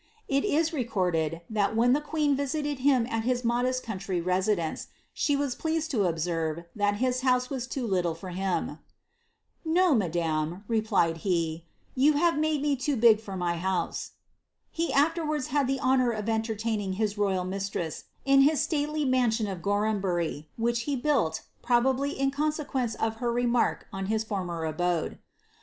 Il is recorded, that when the queen visited him at his modest country residence, she was pleased to observe that his house was loo liltle for him. " Nn, madame," replied he, ■* yoo have made me loo big for my house." He afterwards had the honoof of enterlaining his royal mistress in his stalely mansion of Gorhambury, which he buill, probably in consequence of her remark on his former abode.